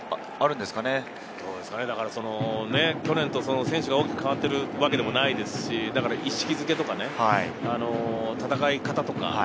去年と選手が大きく変わっているわけでもないですし意識づけとかね、戦い方とか。